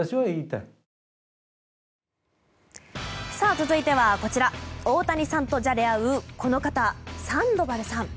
続いては大谷さんとじゃれ合うこの方、サンドバルさん。